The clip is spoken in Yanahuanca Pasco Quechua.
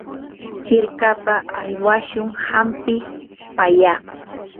hirkapa aywashun hampi pallaq.